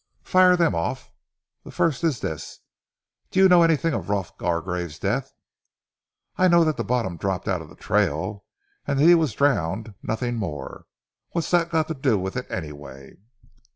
"Fire them off!" "The first is this, do you know anything of Rolf Gargrave's death?" "I know that the bottom dropped out of the trail and that he was drowned nothing more. What's that got to do with it anyway?"